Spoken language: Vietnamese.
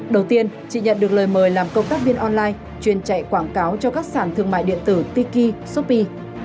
đầu tiên chị nhận được lời mời làm công tác viên online truyền chạy quảng cáo cho các sản thương mại điện tử tiki shopee